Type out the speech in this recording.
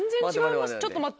ちょっと待って。